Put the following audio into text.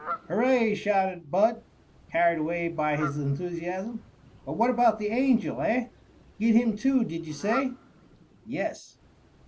"Hurray!" shouted Bud, carried away by his enthusiasm. "But what about the Angel, eh? Get him too, did you say?" "Yes."